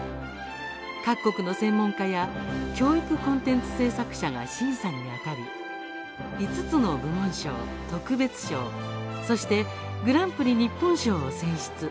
各国の専門家や教育コンテンツ制作者が審査にあたり５つの部門賞、特別賞そしてグランプリ日本賞を選出。